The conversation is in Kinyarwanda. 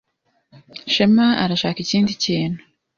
Shema arashaka ikindi kintu.